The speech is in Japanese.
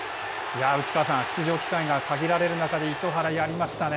内川さん、出場機会が限られる中で糸原がやりましたね。